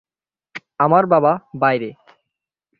আমার বাবা বাইরে।